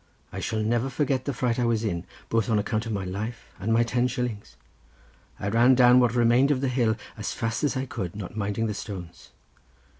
I shall never forget the fright I was in, both on account of my life, and my ten shillings. I ran down what remained of the hill as fast as I could, not minding the stones.